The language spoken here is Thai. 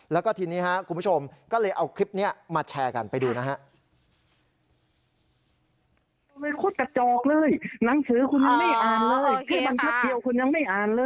แล้วก็ทีนี้ครับคุณผู้ชมก็เลยเอาคลิปนี้มาแชร์กันไปดูนะฮะ